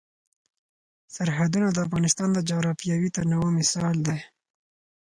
سرحدونه د افغانستان د جغرافیوي تنوع مثال دی.